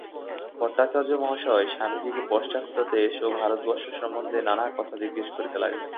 ভট্টাচার্য মহাশয় স্বামীজীকে পাশ্চাত্য দেশ ও ভারতবর্ষ সম্বন্ধে নানা কথা জিজ্ঞাসা করিতে লাগিলেন।